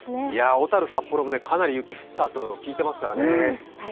小樽、札幌もかなり雪降ったと聞いてますからね。